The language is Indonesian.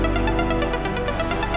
uteur yang cukup